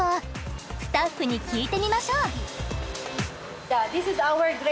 スタッフに聞いてみましょう！